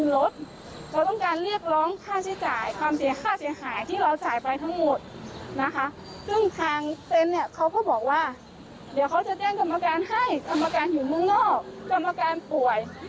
แล้วเขาทำแบบนี้มันกี่ชันแล้ว